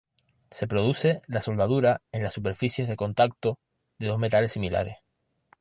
Se produce la soldadura en las superficies de contacto de dos metales similares.